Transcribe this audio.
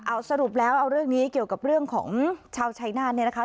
เอาสรุปแล้วเอาเรื่องนี้เกี่ยวกับเรื่องของชาวชัยนาธเนี่ยนะคะ